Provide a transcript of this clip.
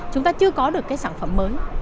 chúng ta chưa có được cái sản phẩm mới